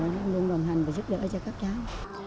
luôn luôn đồng hành và giúp đỡ cho các cháu